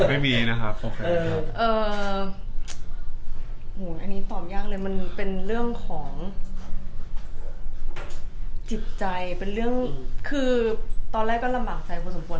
อันนี้ตอบยากเลยมันเป็นเรื่องของจิตใจเป็นเรื่องคือตอนแรกก็ลำบากใจพอสมควร